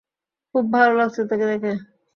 খুব ভালো লাগছে তোকে দেখে!